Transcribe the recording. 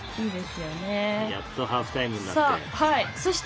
やっとハーフタイムだって。